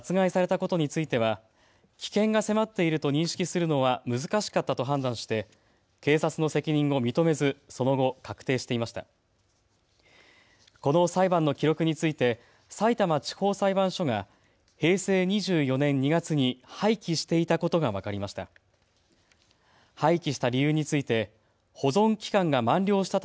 この裁判の記録についてさいたま地方裁判所が平成２４年２月に廃棄していたことが分かりました。